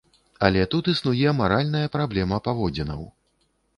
Але тут існуе маральная праблема паводзінаў.